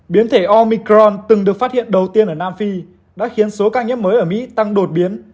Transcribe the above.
biến thể omicron từng được phát hiện đầu tiên ở nam phi đã khiến số ca nhiễm mới ở mỹ tăng đột biến